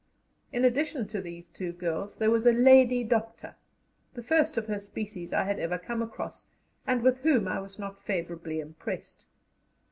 In addition to these two girls there was a "lady doctor," the first of her species I had ever come across, and with whom I was not favourably impressed.